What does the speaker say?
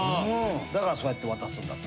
だからそうやって渡すんだって。